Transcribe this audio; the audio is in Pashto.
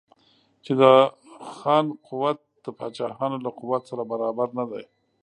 چې د خان قوت د پاچاهانو له قوت سره برابر نه دی.